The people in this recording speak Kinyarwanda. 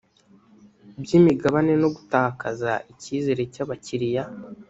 by imigabane no gutakaza icyizere cy abakiliya